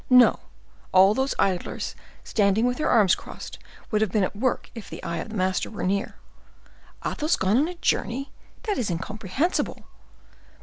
No; all those idlers, standing with their arms crossed, would have been at work if the eye of the master was near. Athos gone on a journey?—that is incomprehensible.